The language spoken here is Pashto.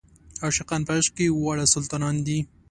عاشقان په عشق کې واړه سلطانان دي.